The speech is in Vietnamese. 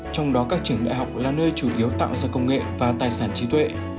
trong đó các trường đại học là nơi chủ yếu tạo ra công nghệ và tài sản trí tuệ